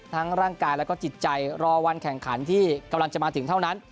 ร่างกายแล้วก็จิตใจรอวันแข่งขันที่กำลังจะมาถึงเท่านั้น